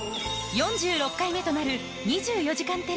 ４６回目となる『２４時間テレビ』